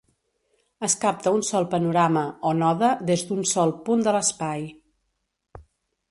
Es capta un sol panorama, o "node" des d'un sol punt de l'espai.